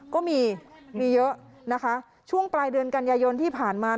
ก็มีมีเยอะนะคะช่วงปลายเดือนกันยายนที่ผ่านมา